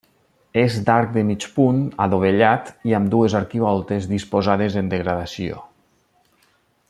És d'arc de mig punt adovellat i amb dues arquivoltes disposades en degradació.